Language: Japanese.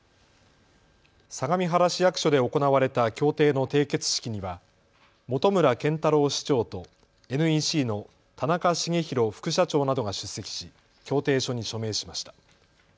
相模原市役所で行われた協定の締結式には本村賢太郎市長とＮＥＣの田中繁広副社長などが出席し協定書に署名しました。